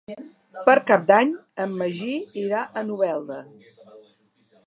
Per Cap d'Any en Magí irà a Novelda.